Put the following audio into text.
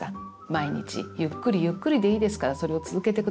毎日ゆっくりゆっくりでいいですからそれを続けて下さい。